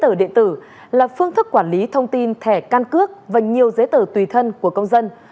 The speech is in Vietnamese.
tài khoản định danh địa tử là phương thức quản lý thông tin thẻ can cước và nhiều giấy tờ tùy thân của công dân